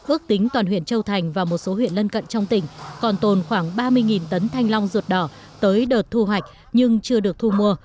ước tính toàn huyện châu thành và một số huyện lân cận trong tỉnh còn tồn khoảng ba mươi tấn thanh long ruột đỏ tới đợt thu hoạch nhưng chưa được thu mua